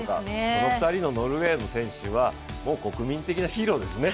この２人のノルウェーの選手は国民的なヒーローですね。